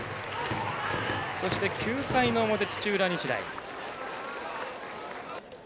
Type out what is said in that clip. そして、９回の表、土浦日大。